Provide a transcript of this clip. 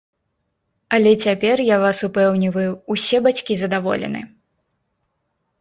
Але цяпер, я вас упэўніваю, усе бацькі задаволены!